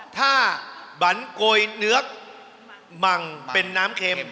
ถ้าบันโกยเนื้อมังเป็นน้ำเค็ม